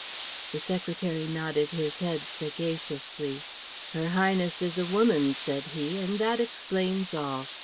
The secretary nodded his head sagaciously. "Her Highness is a woman," said he, "and that explains all.